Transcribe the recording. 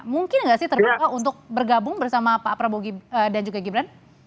mungkin nggak sih terbuka untuk bergabung bersama pak prabowo dan juga gibran